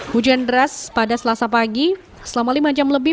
hujan deras pada selasa pagi selama lima jam lebih